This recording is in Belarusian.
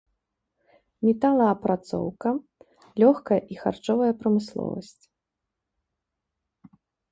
Металаапрацоўка, лёгкая і харчовая прамысловасць.